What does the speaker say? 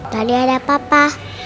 tadi ada papa